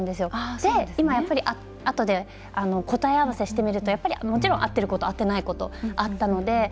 で、今やっぱりあとで答え合わせしてみるともちろん、合っていること合ってないことあったので。